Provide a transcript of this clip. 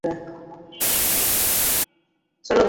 চলো, বন্ধুরা।